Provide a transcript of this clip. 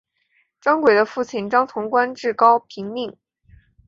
张轨的父亲张崇官至高平令。